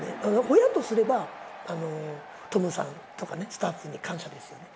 親とすれば、トムさんとかね、スタッフに感謝ですよね。